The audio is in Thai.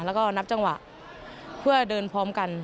แล้วก็นับจังหวะเพื่อเดินพร้อมกัน